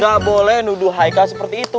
gak boleh nuduh haikal seperti itu